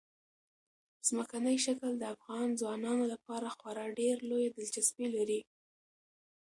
ځمکنی شکل د افغان ځوانانو لپاره خورا ډېره لویه دلچسپي لري.